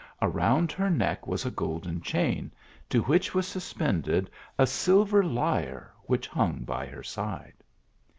Around her neck was a golden chain, to which was suspended a silver lyre which hung by her side.